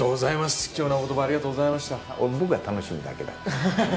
貴重な言葉ありがとうございました。